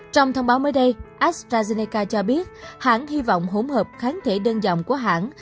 trong thông báo mới đây astrazeneca cho biết hãng hy vọng hỗn hợp kháng thể đơn dòng của hãng